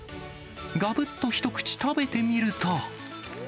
がぶっと一口食べてみると。